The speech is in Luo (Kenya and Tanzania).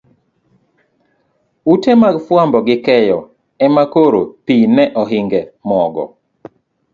Ute mag fuambo gi keyo ema koro pi ne ohinge mogo.